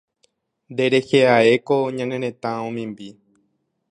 Nderehe ae ko ñane retã omimbi.